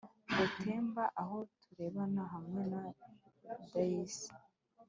Bitemba aho turebana hamwe na daisy